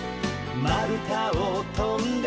「まるたをとんで」